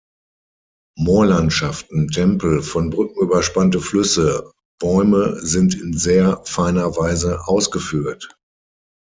Moorlandschaften, Tempel, von Brücken überspannte Flüsse, Bäume sind in sehr feiner Weise ausgeführt.